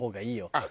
あっ！